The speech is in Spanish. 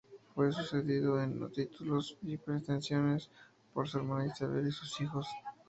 Fue sucedido en sus títulos y pretensiones por su hermana Isabel y sus hijos.